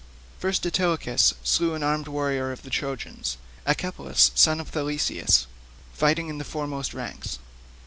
First Antilochus slew an armed warrior of the Trojans, Echepolus, son of Thalysius, fighting in the foremost ranks.